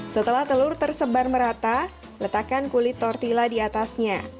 setelah telur tersebar merata letakkan kulit tortilla diatasnya